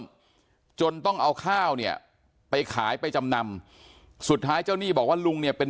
จนต้องเอาข้าวเนี่ยไปขายไปจำนำสุดท้ายเจ้าหนี้บอกว่าลุงเนี่ยเป็น